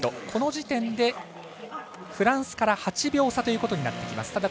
この時点でフランスから８秒差ということになってきます。